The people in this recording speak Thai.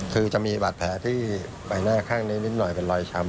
คือจะมีบาดแผลที่ใบหน้าข้างนี้นิดหน่อยเป็นรอยช้ำ